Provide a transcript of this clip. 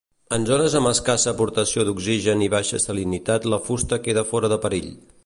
En zones amb escassa aportació d'oxigen i baixa salinitat la fusta queda fora de perill.